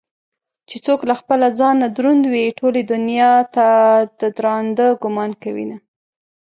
چې څوك له خپله ځانه دروند وي ټولې دنياته ددراندۀ ګومان كوينه